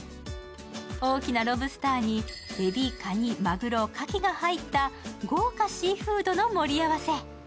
大きなロブスターにエビ、カニ、マグロ、かきが入った豪華シーフードの盛り合わせ。